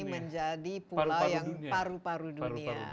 menjadi pulau yang paru paru dunia